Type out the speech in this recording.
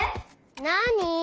なに？